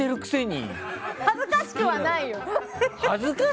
恥ずかしくはないよ！